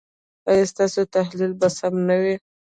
ایا ستاسو تحلیل به سم نه وي؟